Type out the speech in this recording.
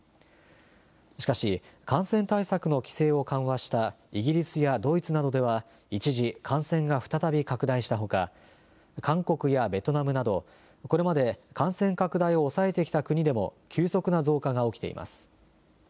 しかし感染対策の規制を緩和したイギリスやドイツなどでは一時、感染が再び拡大したほか韓国やベトナムなどこれまで感染拡大を抑えてきた国でも急速な増加が起きています。